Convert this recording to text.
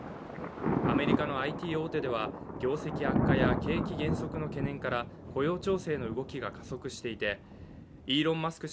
アメリカのＩＴ大手では業績悪化や景気減速の懸念から雇用調整の動きが加速していてイーロン・マスク